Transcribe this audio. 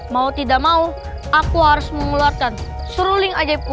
mau tidak mau aku harus mengeluarkan seruling ajaibku